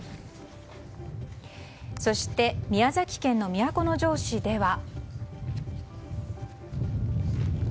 そして、宮崎県の都城市では。